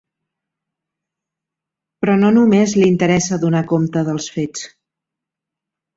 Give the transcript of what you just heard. Però no només li interessa donar compte dels fets.